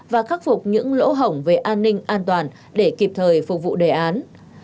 và khắc phục những lỗ hỏng về an ninh an toàn để kịp thời phục vụ đề án